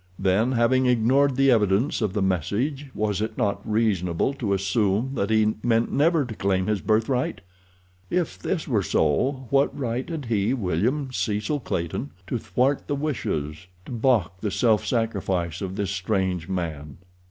Then, having ignored the evidence of the message, was it not reasonable to assume that he meant never to claim his birthright? If this were so, what right had he, William Cecil Clayton, to thwart the wishes, to balk the self sacrifice of this strange man?